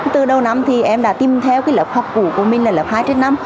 từ đầu năm thì em đã tìm theo lớp học cũ của mình là lớp hai trên năm